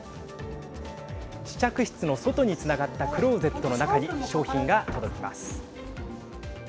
試着室の外につながったクローゼットの中に商品が届きます。